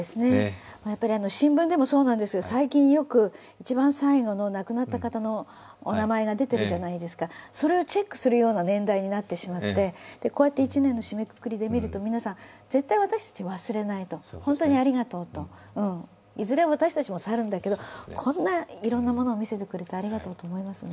新聞でもそうなんですが、最近よく一番最後の亡くなった方のお名前が出ているじゃないですか、それをチェックするような年代になってしまって、一年の締めくくりで見ると、皆さん、絶対、私たちは忘れない、本当にありがとうと、いずれ私たちも去るんだけどこんないろんなものを見せてくれてありがとうと思いますね。